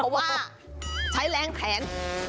เพราะว่าใช้แรงแขน